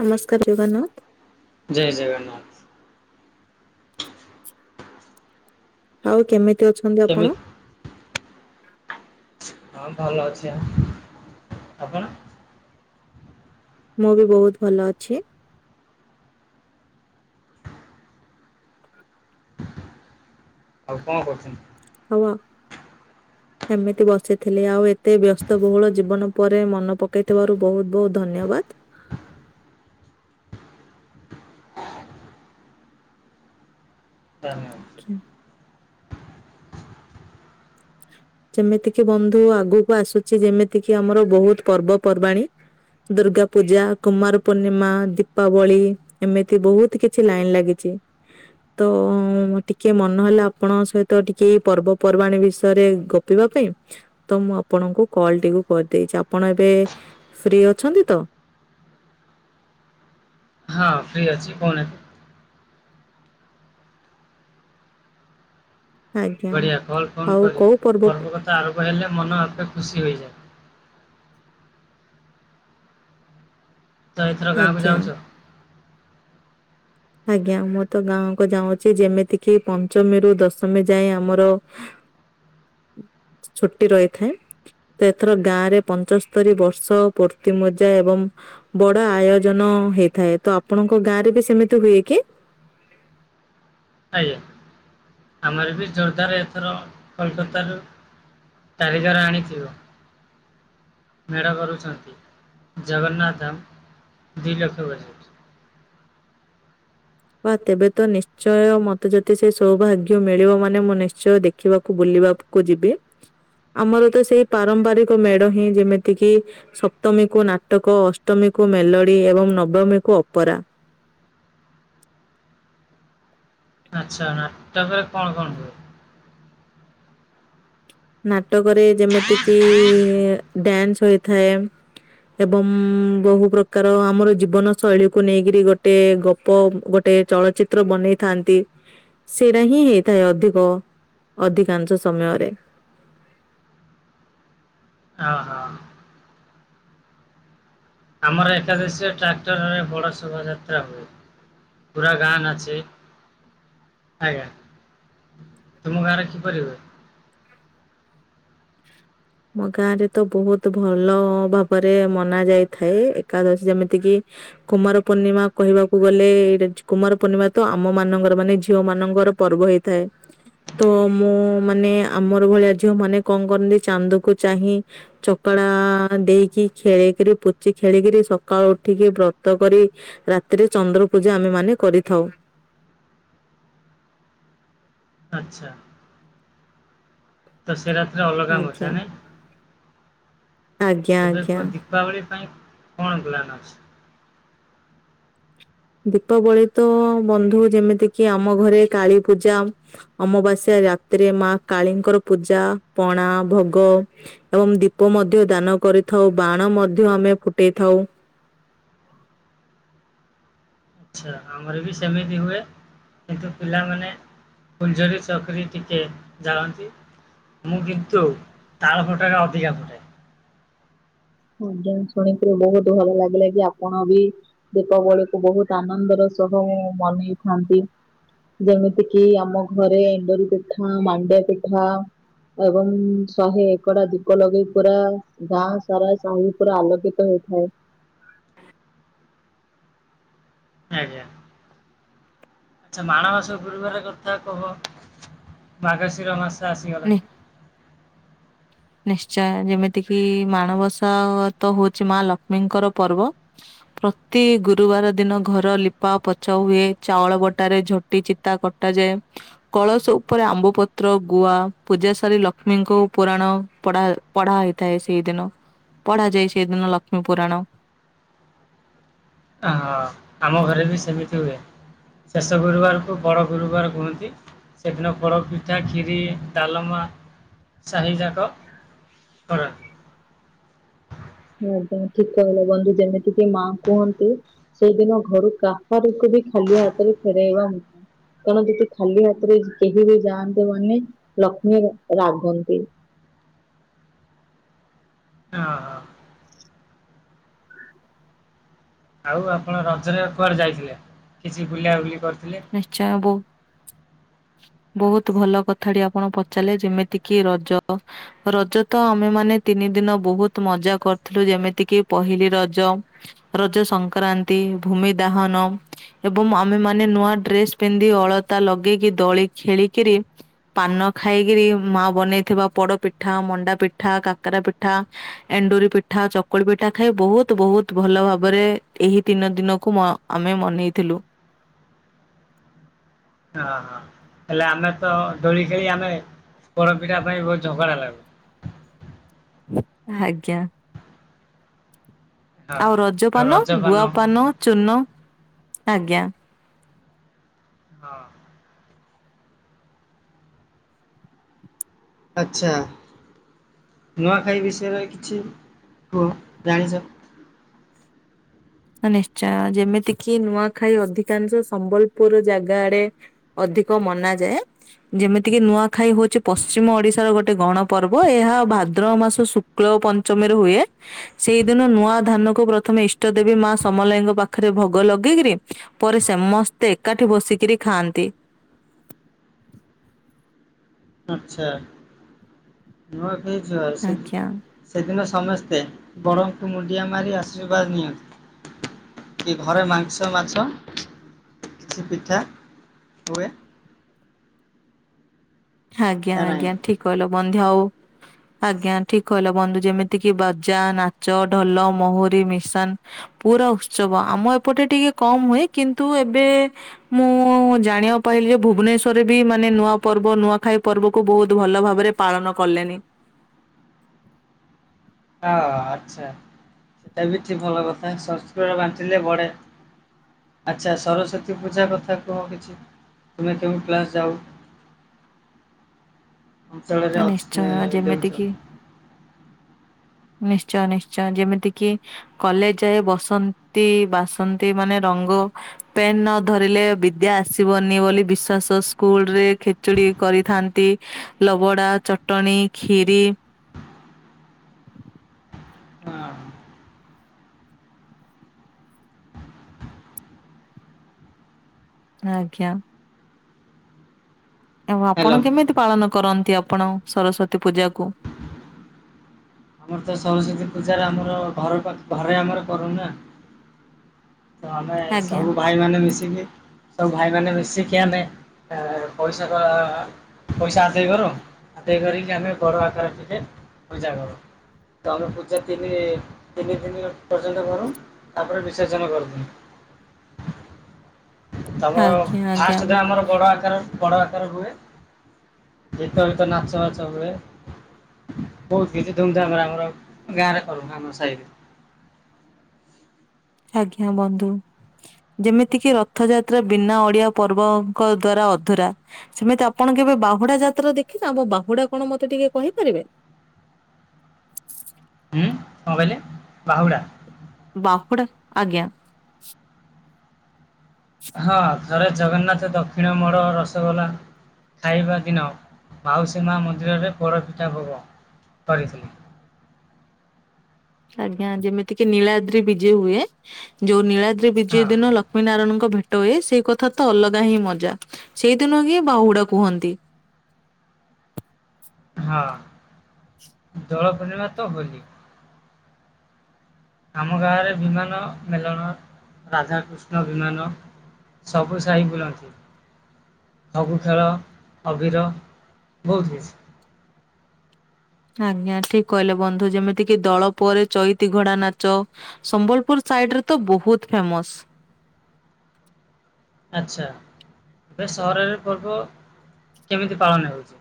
ନମସ୍କାର ଜଗନ୍ନାଥ। ଜୟ ଜଗନ୍ନାଥ। ଆଉ କେମିତି ଅଛନ୍ତି ଆପଣ? କେମିତି ହଁ ଭଲ ଅଛି ଆ ଆପଣ? ମୁଁ ବି ବହୁତ୍ ଭଲ ଅଛି। ଆଉ କଂ କରୁଚନ୍ତି? ଆଉଆ। ଏମିତି ବସିଥିଲି ଆଉ ଏତେ ବ୍ୟସ୍ତ ବହୁଳ ଜୀବନ ପରେ ମନ ପକେଇଥିବାରୁ ବହୁତ୍ ବହୁତ୍ ଧନ୍ୟବାଦ। ତା ନେ [unintelligible] ଯେମିତିକି ବନ୍ଧୁ ଆଗକୁ ଆସୁଚି ଯେମିତିକି ଆମର ବହୁତ୍ ପର୍ବପର୍ବାଣୀ। ଦୁର୍ଗା ପୂଜା, କୁମାର ପୂର୍ଣ୍ଣିମା, ଦୀପାବଳି। ଏମିତି ବହୁତ୍ କିଛି ଲାଇନ୍ ଲାଗିଚି। ତ ଟିକେ ମନହଲା ଆପଣଙ୍କ ସହିତ ଟିକେ ପର୍ବପର୍ବାଣୀ ବିଷୟରେ କ ଥ ହବା ପାଇଁ ତ ମୁଁ ଆପଣଙ୍କୁ କଲ ଟିକୁ କରିଦେଇଚି। ଆପଣ ଏବେ ଫ୍ରି ଅଛନ୍ତି ତ? ହଁ ଫ୍ରି ଅଛି କଉ ନାହାନ୍ତି। ଆଜ୍ଞା ବଢିଆ କଲ୍ ଫୋନ୍ ଆଉ କରି କୋଉ ପର୍ବ କଥା ଆରମ୍ଭ ହେଲେ ମନ ଏପେ ଖୁସି ହୋଇଯାଏ। ତ ଏଥର ଗାଁକୁ ଆଜ୍ଞା ଯାଉଚ? ଆଜ୍ଞା ମୁଁ ତ ଗାଁ କୁ ଯାଉଁଛି ଯେମିତି କିି ପଞ୍ଚମୀରୁୁ ଦଶମୀ ଯାଏ ଆମର ଛୁଟି ରହିଥାଏ। ତ ଏଥର ଗାଁ ରେ ପଞ୍ଚସ୍ତରୀ ବର୍ଷ ପୂର୍ତ୍ତି ମଜା ଏବଂ ବଡ ଆୟୋଜନ ହେଇଥାଏ ତ ଆପଣଙ୍କ ଗାଁ ରେ ବି ସେମିତି ହୁଏ କି? ଆଜ୍ଞା। ଆମର ବି ଜୋରଦାର ଏଥର କୋଲକତାରୁ କାରିଗର ଆଣିଚୁ। ମେଢ କରୁଛନ୍ତି। ଜଗନ୍ନାଥ ଧାମ ଦୁଇ ଲକ୍ଷ ବୋଲି। ବା ତେବେ ତ ନିଶ୍ଚୟ ମତେ ଯଦି ସେ ସୌଭାଗ୍ୟ ମିଳିବ ମାନେ ମୁଁ ନିଶ୍ଚୟ ଦେଖିବାକୁ ବୁଲିବାକୁ କୁ ଯିବି ଆମର ତ ସେଇ ପାରମ୍ପରିକ ମେଢ ହିଁ ଯେମିତି କିି ସପ୍ତମୀ କୁ ନାଟକ ଅଷ୍ଟମୀ କୁ ମେଲୋଡି ଏବଂ ନବମୀ କୁ ଅପରା। ଆଚ୍ଛା ନାଟକ ରେ କଣ କଣ ହୁଏ? ନାଟକରେ ଯେମିତି କିି ଡ୍ୟାନ୍ସ ହୋଇଥାଏ। ଏବଂ ବହୁ ପ୍ରକାର ଆମର ଜୀବନ ଶୈଳୀକୁ ନେଇକିରି ଗୋଟେ ଗପ ଗୋଟେ ଚଳଚିତ୍ର ବନେଇଥାନ୍ତି। ସେଇରା ହିଁ ହେଇଥାଏ ଅଧିକ ଅଧିକାଂଶ ସମୟରେ। ଓ ହ। ଆମର ଏକାଦଶୀରେ ଟ୍ରାକ୍ଟରରେ ବଡ଼ ଶୋଭାଯାତ୍ରା ହୁଏ। ପୁରା ଗାଁ ନାଚେ। ଆଜ୍ଞା। ତୁମ ଗାଁରେ କିପରି ହୁଏ? ମୋ ଗାଁ ରେ ତ ବହୁତ ଭଲ ଭାବରେ ମନା ଯାଇଥାଏ ଏକାଦଶୀ ଯେମିତି କିି କୁମାର ପୂର୍ଣ୍ଣିମା କହିବାକୁ ଗଲେ ଏଇଟା କୁମାର ପୂର୍ଣ୍ଣିମା ତ ଆମ ମାନଙ୍କର ମାନେ ଝିଅ ମାନଙ୍କର ପର୍ବ ହେଇ ଥାଏ ତ ମୁଁ ମାନେ ଆମର ଭଳିଆ ଝିଅ ମାନେ କଣ କରନ୍ତି ଚାନ୍ଦୁକୁ ଚାହିଁ ଚକଡା ଦେଇକି ଖେଳିକିରି ପୁଚି ଖେଳିକିରି ସକାଳୁ ଉଠିକି ବ୍ରତ କରି ରାତିରେ ଚନ୍ଦ୍ର ପୂଜା ଆମେ ମାନେ କରିଥାଉ। ଆଚ୍ଛା। ତ ସେ ରାତ୍ରରେ ଅଲଗା ଆଜ୍ଞା ମଜାନାହିଁ? ଆଜ୍ଞା ଏବେ ଆଜ୍ଞା ତ ଦୀପାବଳି ପାଇଁ କଣ ପ୍ଲାନ୍ ଅଛି? ଦୀପାବଳି ତ ବନ୍ଧୁ ଯେମିତି କିି ଆମ ଘରେ କାଳୀ ପୂଜା ଅମାବାସ୍ୟା ରାତିରେ ମା କାଳୀଙ୍କର ପୂଜା ପଣା ଭୋଗ ଏବଂ ଦୀପ ମଧ୍ୟ ଦାନ କରିଥାଉ ବାଣ ମଧ୍ୟ ଆମେ ଫୁଟେଇ ଥାଉ। ଆଛା ଆମର ବି ସେମିତି ହୁଏ କିନ୍ତୁ ପିଲାମାନେ ଫୁଲ ଝରି ଚକରି ଟିକେ ଜାଳନ୍ତି। ମୁଁ କିନ୍ତୁ ତାଳ ଫୋଟକା ଅଧିକା ଫୁଟାଏ। ଆଜ୍ଞା ଶୁଣିକିରି ବହୁତ ଭଲ ଲାଗିଲା କି ଆପଣ ବି ଦୀପାବଳିକୁ ବହୁତ ଆନନ୍ଦର ସହ ମନେଇଥାନ୍ତି। ଯେମିତି କିି ଆମ ଘରେ ଏଣ୍ଡୁରି ପିଠା ମାଣ୍ଡିଆ ପିଠା ଏବଂ ଶହେ ଏକଡା ଦୀପ ଲଗେଇ ପୁରା ଗାଁ ସାରା ସାଇ ପୁରା ଆଲୋକିତ ହେଇଥାଏ। ଆଜ୍ଞା। ଆଛା ମାଣ ମାସ ଗୁରୁବାର କଥା କୁହ ମାଘଶିର ମାସ ଆସିଗଲା। ନି ନିଶ୍ଚୟ ଯେମିତି କିି ମାଣବସା ତ ହଉଛି ମା ଲକ୍ଷ୍ମୀଙ୍କର ପର୍ବ। ପ୍ରତି ଗୁରୁବାର ଦିନ ଘର ଲିପା ପୋଛା ହୁଏ ଚାଉଳ ବଟାରେ ଝୋ ଟି ଚିତା କଟାଯାଏ। କଳସ ଉପରେ ଆମ୍ବ ପତ୍ର ଗୁଆ ପୂଜା ସାରି ଲକ୍ଷ୍ମୀଙ୍କ ପୁରାଣ ପଢା ପଢା ହେଇଥାଏ ସେଇ ଦିନ। ପଢା ଯାଏ ସେଇଦିନ ଲକ୍ଷ୍ମୀ ପୁରାଣ। ଆ ହଁ ଆମ ଘରେ ବି ସେମିତି ହୁଏ। ଶେଷ ଗୁରୁବାରକୁ ବଡ଼ ଗୁରୁବାର କୁହନ୍ତି। ସେଦିନ ପୋଡ଼ପିଠା, କ୍ଷୀରି, ଡାଲମା ସାହିଯାକ କର ଆଜ୍ଞା। ଠିକ୍ କହିଲ। ବନ୍ଧୁ ଯେମିତିକି ମାଆ କୁହନ୍ତି ସେଇଦିନ ଘରୁ କାହାରିକୁ ବି ଖାଲି ହାତରେ ଫେରାଇବାନି। କାରଣ ଯଦି ଖାଲି ହାତରେ କେହି ବି ଯାଆନ୍ତି ମାନେ ଲକ୍ଷ୍ମୀ ରାଗନ୍ତି। ହଁ। ଆଉ ଆପଣ ରଜରେ କୁଆଡେ ଯାଇଥିଲେ? କିଛି ବୁଲା ବୁଲି କରିଥିଲେ। ଆଚ୍ଛା ବଉ ବହୁତ୍ ଭଲ କଥାଟି ଆପଣ ପଚାରିଲେ ଯେମିତି କିି ରଜ ରଜ ତ ଆମେ ମାନେ ତିନି ଦିନ ବହୁତ ମଜା କରିଥିଲୁ। ଯେମିତିକି ପହିଲି ରଜ ରଜ ସଂକ୍ରାନ୍ତି, ଭୂମି ଦାହନ ଏବଂ ଆମେ ମାନେ ନୂଆ ଡ୍ରେସ୍ ପିନ୍ଧି ଅଳତା ଲଗେଇକି ଦୋଳି ଖେଳିକିରି ପାନ ଖାଇକିରି ମା ବନେଇଥିବା ପୋଡ ପିଠା, ମଣ୍ଡା ପିଠା, କାକାରା ପିଠା ଏଣ୍ଡୁରି ପିଠା, ଚକୁଳି ପିଠା ଖାଇ ବହୁତ୍ ବହୁତ୍ ଭଲ ଭାବରେ ଏହି ତିନି ଦିନକୁ ଆମେ ମନେଇଥିଲୁ। ଅ ହଁ। ହେଲେ ଆମେ ତ ଦୋଳି ଖେଳି ଆମେ ପୋଡ଼ପିଠା ପାଇଁ ବହୁତ୍ ଝଗଡ଼ା ଲାଗୁ। ଆଜ୍ଞା। ହଁ ଆଉ ରଜପାନ ଗୁଆପାନ ଚୂନ ଆଜ୍ଞା। ହଁ। ଆଚ୍ଛା। ନୂଆଖାଇ ବିଷୟରେ କିଛି କୁହ ଜାଣିଚ? ହଁ ନିଶ୍ଚୟ। ଯେମିତି କିି ନୂଆଖାଇ ଅଧିକାଂଶ ସମ୍ବଲପୁର ଜାଗା ଆଡେ ଅଧିକ ମନାଯାଏ। ଯେମିତି କିି ନୂଆଖାଇ ହଉଚି ପଶ୍ଚିମ ଓଡିଶାର ଗୋଟେ ଗଣପର୍ବ। ଏହା ଭାଦ୍ରବ ମାସ ଶୁ ଶୁକ୍ଳ ଓ ପଞ୍ଚମୀରେ ହୁଏ। ସେଇ ଦିନ ନୂଆ ଧାନ କୁ ପ୍ରଥମେ ଇଷ୍ଟ ଦେବୀ ମା ସମଲାଇଙ୍କ ପାଖରେ ଭୋଗ ଲଗେଇକିରି ପରେ ସମସ୍ତେ ଏକାଠି ବସିକିରି ଖାଆନ୍ତି। ଆଚ୍ଛା। ନୂଆଖାଇ ଯା ସେ ଆଜ୍ଞା ସେଦିନ ସମସ୍ତେ ବଡଙ୍କୁ ମୁଣ୍ଡିଆ ମାରି ଆଶୀର୍ବାଦ ନିଅନ୍ତି। କି ଘରେ ମାଂସ, ମାଛ କିଛି ପିଠା ହୁଏ। ଆଜ୍ଞା ନା ନାହିଁ? ଆଜ୍ଞା ଠିକ୍ କହିଲ। [unintelligible] ଆଜ୍ଞା ଠିକ୍ କହିଲ ବନ୍ଧୁ। ଯେମିତି କିି ବାଜା, ନାଚ ଢୋଲ, ମହୁରି, ମିଶାନ୍ ପୁରା ଉତ୍ସବ। ଆମ ଏପଟେ ଟିକେ କମ୍ ହୁଏ। କିନ୍ତୁ ଏବେ ମୁଁ ଜାଣିବାକୁ ପାଇଲିି ଯେ ଭୁବନେଶ୍ଵରରେ ବି ମାନେ ନୂଆ ପର୍ବ ନୂଆ ଖାଇ ପର୍ବକୁ ବହୁତ ଭଲ ଭାବରେ ପାଳନ କଲେଣି। ହଁ ଆଚ୍ଛା। ସେଟା ବି ଠି ଭଲ କଥା। [unintelligible] ବାଣ୍ଟିଲେ ବଢେ। ଆଚ୍ଛା, ସରସ୍ଵତୀ ପୂଜା କଥା କୁହ କିଛି। ତୁମେ କେଉଁ କ୍ଲାସ୍ ଯାଉ ଅଞ୍ଚଳରେ ଆ ଅଛି ନିଶ୍ଚୟ। ଦେଉଛ? ଯେମିତି କିି ନିଶ୍ଚୟ ନିଶ୍ଚୟ। ଯେମିତି କିି କଲେଜ ଯାଏ ବସନ୍ତି ବାସନ୍ତି ମାନେ ରଙ୍ଗ ପେନ୍ ନ ଧରିଲେ ବିଦ୍ୟା ଆସିବନି ବୋଲି ବିଶ୍ଵାସ। ସ୍କୁଲ ରେ ଖେଚୁଡି କରିଥାନ୍ତି। ଲବଡା ଚଟଣୀ ଖିରି ହଁ, ଆଜ୍ଞା। ଏବଂ ହ୍ୟାଲୋ ଆପଣ କେମିତି ପାଳନ କରନ୍ତି ଆପଣ ସରସ୍ଵତୀ ପୂଜାକୁ ଆମର ତ ସରସ୍ଵତୀ ପୂଜାରେ ଆମର ଘର ପାଖ ଘରେ ଆମର କରୁନା। ତ ଆମେ ଆଜ୍ଞା ସବୁ ଭାଇ ମାନେ ମିଶିକି ସବୁ ଭାଇ ମାନେ ମିଶିକି ଆମେ ପଇସା ପଇସା ଆଦାୟ କରୁ। ଆଦାୟ କରିକି ଆମେ ବଡ ଆକାର ଟିକେ ପୂଜା କରୁ। ତ ଆମେ ପୂଜା ତିନି ତିନି ଦିନ ପର୍ଯ୍ୟନ୍ତ କରୁ। ତା ପରେ ବିସର୍ଜନ କରିଦଉ। ତ ଆମର ଆଜ୍ଞା ଆଜ୍ଞା ଫାଷ୍ଟ୍ ଟା ଆମର ବଡ ଆକାର ବଡ ଆକାର ହୁଏ। ଗୀତ ଫିତ ନାଚ ବାଚ ହୁଏ। ବହୁତ୍ କିଛି ଧୁମ୍ ଧାମ୍ ରେ ଆମର ଗାଁ ରେ କରୁ ଆମ ସାହିରେ। ଆଜ୍ଞା ବନ୍ଧୁ, ଯେମିତି କିି ରଥଯାତ୍ରା ବିନା ଓଡିଆ ପର୍ବଙ୍କ ଦ୍ଵାରା ଅଧୁରା ସେମିତି ଆପଣ କେବେ ବାହୁଡା ଯାତ୍ରା ଦେଖିନ ବାହୁଡା କଣ ମତେ ଟିକେ କହିପାରିବେ? ହୁଁ କଣ କହିଲେ ବାହୁଡା? ବାହୁଡା ଆଜ୍ଞା ହଁ ଥରେ ଜଗନ୍ନାଥ ଦକ୍ଷିଣ ମୋଡ ରସଗୋଲା ଖାଇବା ଦିନ ମାଉସୀ ମା ମନ୍ଦିରରେ ପୋଡ଼ପିଠା ଭୋଗ କରିଥିଲେ। ଆଜ୍ଞା ଯେମିତି କିି ନୀଳାଦ୍ରି ବିଜେ ହୁଏ, ଯୋଉ ନୀଳାଦ୍ରି ବିଜେ ହଁ ଦିନ ଲ ଲକ୍ଷ୍ମୀ ନାରାୟଣଙ୍କ ଭେଟ ହୁଏ, ସେଇ କଥା ତ ଅଲଗା ହିଁ ମଜା ସେଇ ଦିନ ହିଁ ବାହୁଡା କୁହନ୍ତି। ହଁ ଦୋଳ ପୂର୍ଣ୍ଣିମା ତ ହୋଲି। ଆମ ଗାଁରେ ବିମାନ ମେଲଣ ରାଧାକୃଷ୍ଣ ବିମାନ ସବୁ ସାହି ବୁଲନ୍ତି। ଫଗୁ ଖେଳ ଅବିର ବହୁତ୍ କିଛି,। ଆଜ୍ଞା ଠିକ୍ କହିଲେ ବନ୍ଧୁ ଯେମିତି କି ଦଳ ପରେ ଚଇତି ଘୋଡା ନାଚ। ସମ୍ବଲପୁର୍ ସାଇଡ ରେ ତ ବହୁତ ଫେମସ୍। ଆଚ୍ଛା, ଏବେ ସହରରେ ପର୍ବ କେମିତି ପାଳନ ହେଉଛି?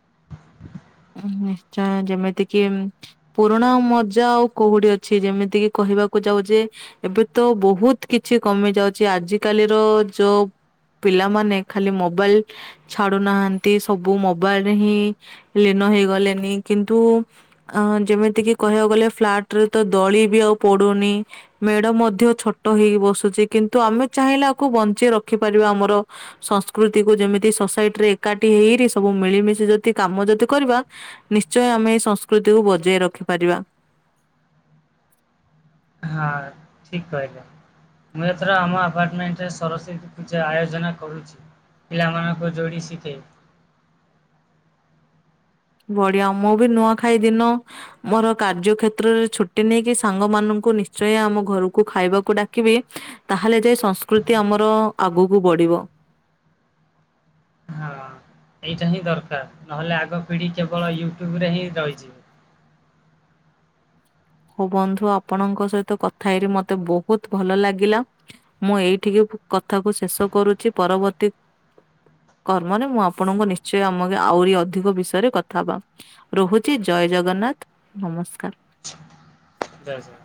[inaudible] ନିଶ୍ଚୟ ଯେମିତି କିି ପୁରୁଣା ମଜା ଆଉ କୋଉଠି ଅଛି ଯେମିତିକି କହିବାକୁ ଯାଉ ଯେ ଏବେ ତ ବହୁତ କିଛି କମି ଯାଉଛି, ଆଜି କାଲିର ଯୋଉ ପିଲାମାନେ ଖାଲି ମୋବାଇଲ୍ ଛାଡୁନାହାନ୍ତି ସବୁ ମୋବାଇଲ୍ ରେ ହିଁ ଲୀନ ହେଇଗଲେନି କିନ୍ତୁ ଆ ଯେମିତି କିି କହିବାକୁ ଗଲେ ଫ୍ଲାଟ୍ ରେ ତ ଦୋଳି ବି ଆଉ ପଡୁନି। ମେଢ ମଧ୍ୟ ଛୋଟ ହେଇ ବସୁଛି କିନ୍ତୁ, ଆମେ ଚାହିଁଲେ ଏକୁ ବଞ୍ଚେଇ ରଖି ପାରିବା ଆମର ସଂସ୍କୃତି କୁ ଯେମିତି ସୋସାଇଟି ରେ ଏକାଠି ହେଇ ସବୁ ମିଳିମିଶି ଯଦି କାମ ଯଦି କରିବା ନିଶ୍ଚୟ ଆମେ ଏଇ ସଂସ୍କୃତିକୁ ବଜେଇ ରଖିପାରିବା। ହଁ ଠିକ୍ କହିଲେ। ମୁଁ ଏଥର ଆମ ଆପାର୍ଟମେଣ୍ଟ୍ ରେ ସରସ୍ଵତୀ ପୂଜା ଆୟୋଜନ କରୁଛି। ପିଲାମାନଙ୍କୁ ଯୋଡ଼ି ଶିଖେ। ବଢିଆ ମୁଁ ବି ନୂଆ ଖାଇ ଦିନ। ମୋର କାର୍ଯ୍ୟ କ୍ଷେତ୍ରରେ ଛୁଟି ନେଇକି ସାଙ୍ଗ ମାନଙ୍କୁ ନିଶ୍ଚୟ ଆମ ଘରକୁ ଖାଇବାକୁ ଡାକିବି। ତାହେଲେ ଯାଇ ସଂସ୍କୃତି ଆମର ଆଗକୁ ବଢିବ। ହଁ ଏଇଟା ହିଁ ଦରକାର, ନହେଲେ ଆଗ ପିଢି କେବଳ ୟୁଟ୍ୟୁବ୍ ରେ ହିଁ ରହିଯିବେ। ହଉ ବନ୍ଧୁ ଆପଣଙ୍କ ସହିତ କଥା ହେଇ ମତେ ବହୁତ ଭଲ ଲାଗିଲା। ମୁଁ ଏଇଠିକି କଥାକୁ ଶେଷ କରୁଛି ପରବର୍ତ୍ତୀ କର୍ମରେ ମୁଁ ଆପଣଙ୍କୁ ନିଶ୍ଚୟ ଆମ ଆହୁରି ଅଧିକ ବିଷୟରେ କଥା ହବା। ରହୁଛି ଜୟ ଜଗନ୍ନାଥ୍ ନମସ୍କାର। ଜୟ ଜଗନ୍ନାଥ।